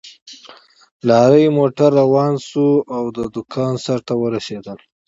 لارۍ موټر روان شو او د کان سر ته ورسېدل